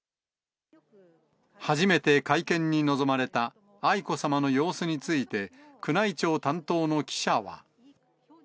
初めて会見に臨まれた愛子さまの様子について、宮内庁担当の記者は。